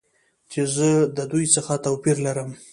چې زه د دوی څخه توپیر لرم.